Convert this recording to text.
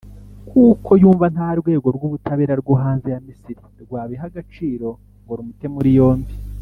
kuko yumva nta rwego rw’ubutabera bwo hanze ya Misiri rwabiha agaciro ngo rumute muri yombi